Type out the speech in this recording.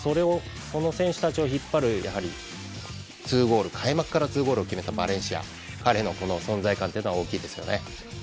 その選手たちを引っ張る開幕から２ゴールを決めたバレンシアの存在感は大きいですよね。